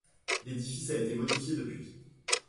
L'édifice a été modifié depuis.